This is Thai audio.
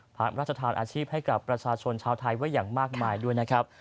พระราชทานอาชีพให้กับประชาชนชาวไทยไว้อย่างมากมายด้วยนะครับ